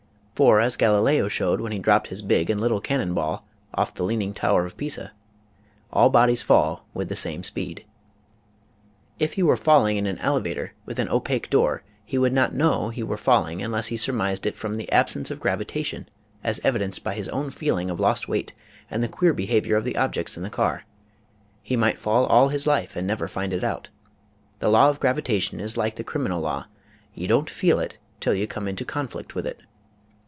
For, as Galileo showed when he dropped his big and little cannon ball off the Leaning Tower of Pisa, all bodies fall with the same speed. If he were in a falling elevator with an opaque door he would not know he were falling unless he surmised it from the absence of gravitation as evidenced by his own feeling of lost weight and the queer behavior of the objects in the car. He might fall all his life and never find it out. The law of gravitation is like crim inal law; you don't feel it till you come into conflict with it.